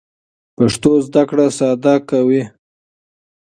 پښتو زده کړه ساده کوي.